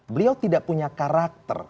beliau tidak punya karakter